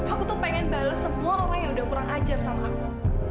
aku tuh pengen bales semua orang yang udah kurang ajar sama aku